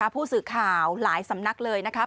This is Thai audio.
ผู้สื่อข่าวหลายสำนักเลยนะครับ